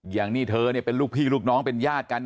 อย่างนี้เธอเนี่ยเป็นลูกพี่ลูกน้องเป็นญาติกัน